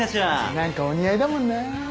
何かお似合いだもんな。